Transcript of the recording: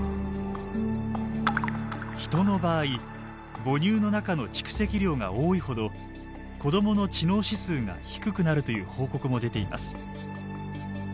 人の場合母乳の中の蓄積量が多いほど子供の知能指数が低くなるという報告も出ています。